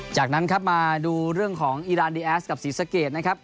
จากนั้นครับมาดูเรื่องของอีรานดีแอสกับศรีสะเกดนะครับ